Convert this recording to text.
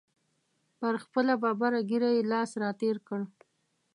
پر خپله ببره ږیره یې لاس را تېر کړ.